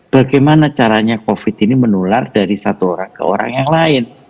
bagaimana caranya covid ini menular dari satu orang ke orang yang lain